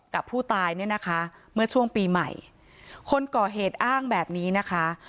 กับผู้ตายเนี่ยนะคะเมื่อช่วงปีใหม่คนก่อเหตุอ้างแบบนี้นะคะ